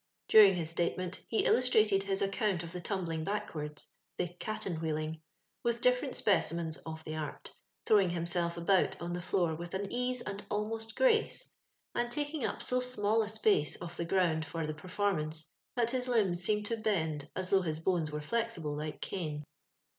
During his statement, he illustrated his ac count of the tumbling backwards — the " caten wheeling "— with different specimens of the art, throwing himself about on the floor with an ease and almost grace, and taking up so small a space of the ground for the perform ance, that his limbs seemed to bend as though his bones were flexible like cane.